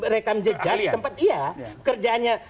rekam jejak tempat ia